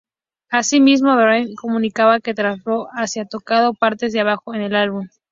Asimismo, Daltrey comunicaba que Townshend había tocado partes de bajo en el álbum.